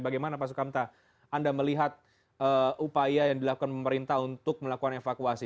bagaimana pak sukamta anda melihat upaya yang dilakukan pemerintah untuk melakukan evakuasi